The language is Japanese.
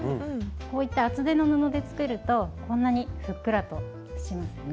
こういった厚手の布で作るとこんなにふっくらとしますよね。